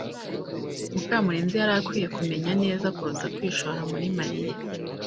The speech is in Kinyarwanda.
Mukamurenzi yari akwiye kumenya neza kuruta kwishora muri Mariya.